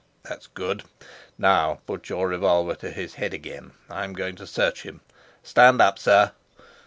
That's good. Now put your revolver to his head again. I'm going to search him. Stand up, sir."